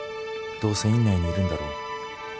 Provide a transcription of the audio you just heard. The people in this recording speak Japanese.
どうせ院内にいるんだろう」